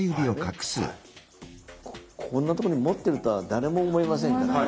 こんなとこに持ってるとは誰も思いませんね。